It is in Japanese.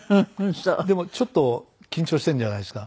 でもちょっと緊張してるんじゃないですか？